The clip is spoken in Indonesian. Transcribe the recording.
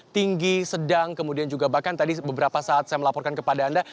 tinggi sedang kemudian juga bahkan tadi beberapa saat saya melaporkan kepada anda